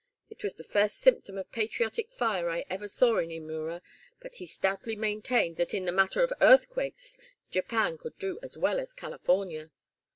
It was the first symptom of patriotic fire I ever saw in Imura, but he stoutly maintained that in the matter of earthquakes Japan could do as well as California."